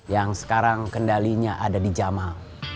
yang sekarang kendalinya ada di jamal